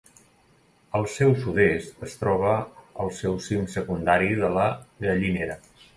Al seu sud-est es troba el seu cim secundari de la Gallinera.